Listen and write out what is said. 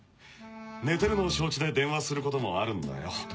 寝てるのを承知で電話することもあるんだよ